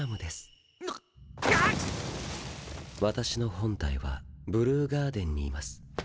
私の本体はブルーガーデンにいます。